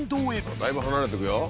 だいぶ離れてくよ。